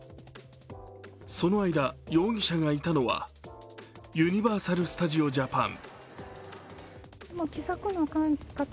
その間、容疑者がいたのはユニバーサル・スタジオ・ジャパン。